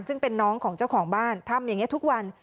ซึ่งเป็นน้องของเจ้าของบ้านทำอย่างนี้ทุกวัน